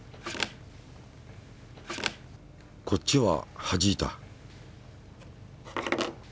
こっちははじいた。